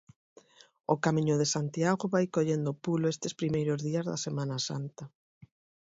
O Camiño de Santiago vai collendo pulo estes primeiros días da Semana Santa.